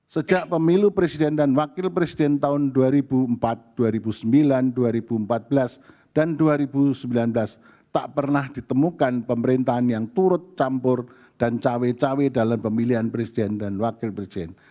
sejak pemilu presiden dan wakil presiden tahun dua ribu empat dua ribu sembilan dua ribu empat belas dan dua ribu sembilan belas tak pernah ditemukan pemerintahan yang turut campur dan cawe cawe dalam pemilihan presiden dan wakil presiden